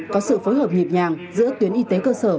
có sự phối hợp nhịp nhàng giữa tuyến y tế cơ sở